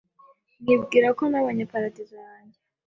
Nibwira ko nabonye paradizo yanjye,